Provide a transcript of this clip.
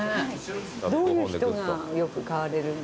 どういう人がよく買われるんですかね？